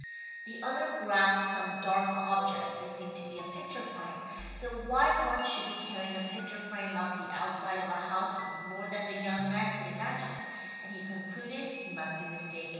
The other grasped some dark object that seemed to be a picture frame, though why one should be carrying a picture frame up the outside of a house was more than the young man could imagine, and he concluded he must be mistaken.